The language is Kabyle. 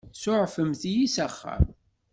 Tsuɛfemt-iyi s axxam.